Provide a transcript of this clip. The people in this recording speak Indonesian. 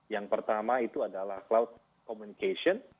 yang pertama itu adalah cloud communication